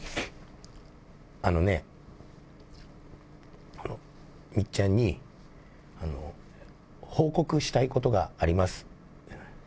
あのね、みっちゃんに、報告したいことがあります。